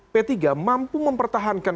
p tiga mampu mempertahankan